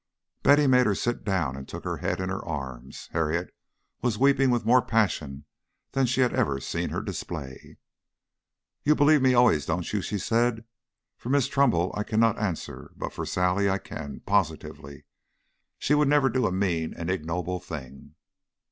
Betty made her sit down and took her head in her arms. Harriet was weeping with more passion than she ever had seen her display. "You believe me always, don't you?" she said. "For Miss Trumbull I cannot answer, but for Sally I can positively. She never would do a mean and ignoble thing."